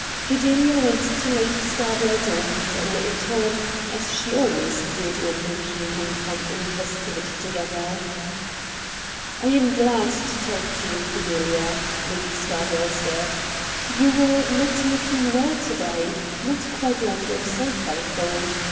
Fideha went to Lady Scardale's room for a little talk, as she always did when they came home from any festivity together. ' I am glad to talk to you, Fideha,' Lady ISO RED DIAMONDS Scardale said. ' You were not looking well to day — not quite like yourself, I thought.